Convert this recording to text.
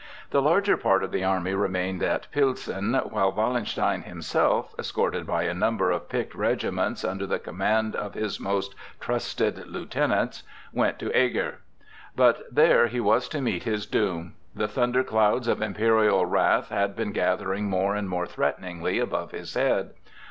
The larger part of the army remained at Pilsen, while Wallenstein himself, escorted by a number of picked regiments under the command of his most trusted lieutenants, went to Eger. But there he was to meet his doom. The thunderclouds of imperial wrath had been gathering more and more threateningly above his head.